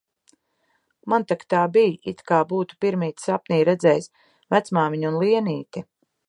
Man tak tā bij, it kā būtu pirmīt sapnī redzējis vecmāmiņu un Lienīti